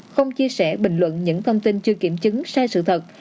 không chia sẻ bình luận những thông tin chưa kiểm chứng sai sự thật